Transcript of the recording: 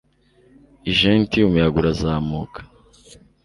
i ghent umuyaga urazamuka